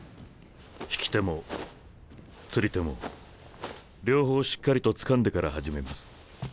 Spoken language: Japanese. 引き手も釣り手も両方しっかりとつかんでから始めます。